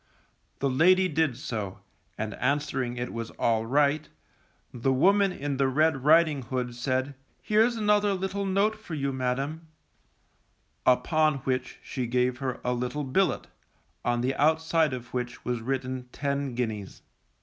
The lady did so, and answering it was alright, the woman in the red riding hood said, Here's another little note for you, madam; upon which she gave her a little billet, on the outside of which was written ten guineas.